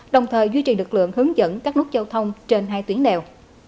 đồng thời duy trì lực lượng hướng dẫn các nút giao thông trên hai tuyến đèo